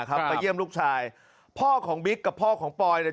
ไปเยี่ยมลูกชายพ่อของบิ๊กกับพ่อของปอยเนี่ย